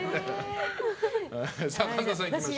神田さん、いきましょう。